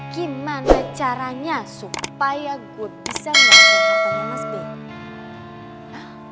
gimana caranya supaya gue bisa menguasai hartanya mas b